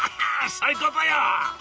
そういうことよ！」。